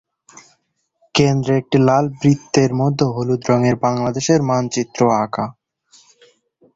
কেন্দ্রে একটি লাল বৃত্তের মধ্যে হলুদ রংয়ের বাংলাদেশের মানচিত্র আঁকা।